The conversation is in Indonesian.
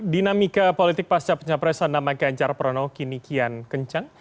dinamika politik pasca pencapresan nama ganjar prano kini kian kencang